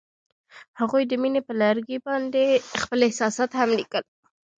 هغوی د مینه پر لرګي باندې خپل احساسات هم لیکل.